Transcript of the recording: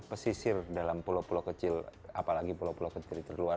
pesisir dalam pulau pulau kecil apalagi pulau pulau kecil terluar